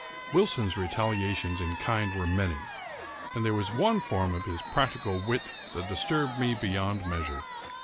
Wilson's retaliations in kind were many; and there was one form of his practical wit that disturbed me beyond measure.